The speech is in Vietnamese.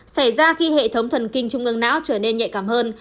xảy ra khi hệ thống thần kinh trung ương não trở nên nhạy cảm hơn